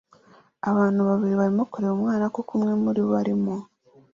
Abantu babiri barimo kureba umwana kuko umwe muri bo arimo